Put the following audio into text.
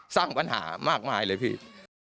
สร้างปัญหามากมายเลยพี่